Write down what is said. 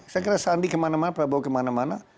saya kira sandi kemana mana prabowo kemana mana